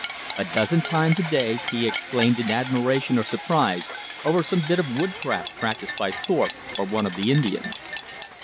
A dozen times a day he exclaimed in admiration or surprise over some bit of woodcraft practiced by Thorpe or one of the Indians.